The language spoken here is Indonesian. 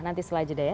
nanti setelah jeda ya